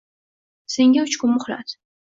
Senga uch kun muhlat.